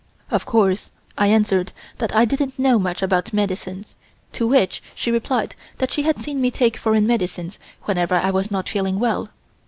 Of course I answered that I didn't know much about medicines, to which she replied that she had seen me take foreign medicines whenever I was not feeling well.